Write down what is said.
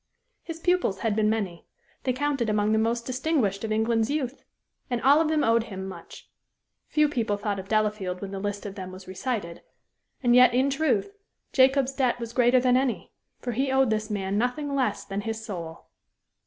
His pupils had been many; they counted among the most distinguished of England's youth; and all of them owed him much. Few people thought of Delafield when the list of them was recited; and yet, in truth, Jacob's debt was greater than any; for he owed this man nothing less than his soul.